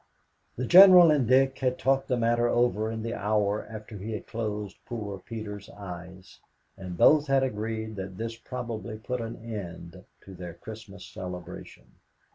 The General and Dick had talked the matter over in the hour after he had closed poor Peter's eyes, and both had agreed that this probably put an end to their Christmas celebration.